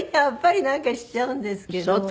やっぱりなんかしちゃうんですけど。